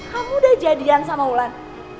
kamu udah jadian sama wulan